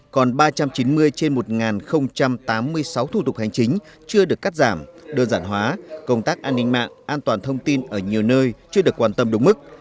còn ba trăm chín mươi trên một tám mươi sáu thủ tục hành chính chưa được cắt giảm đơn giản hóa công tác an ninh mạng an toàn thông tin ở nhiều nơi chưa được quan tâm đúng mức